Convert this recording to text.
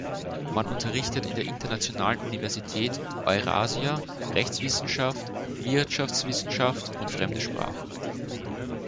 Man unterrichtet in der Internationalen Universität Eurasia Rechtswissenschaft, Wirtschaftswissenschaft und fremde Sprachen.